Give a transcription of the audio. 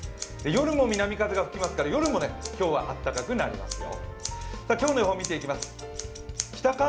夜も南風が吹きますから夜も今日はあったかくなりますよ。